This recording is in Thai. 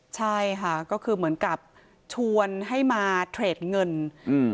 ใช่ค่ะก็คือเหมือนกับชวนให้มาเทรดเงินอืม